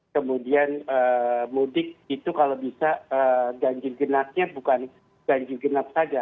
kemudian mudik itu kalau bisa ganjil genapnya bukan ganjil genap saja